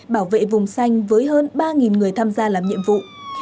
bảo vệ vùng xanh với hơn ba người tham gia làm nhiệm vụ